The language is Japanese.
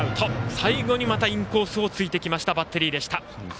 最後にまたインコースを突いてきましたバッテリー。